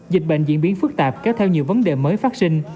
dịch bệnh diễn biến phức tạp kéo theo nhiều vấn đề mới phát sinh